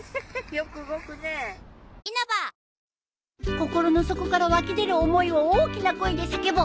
心の底から湧き出る思いを大きな声で叫ぼう！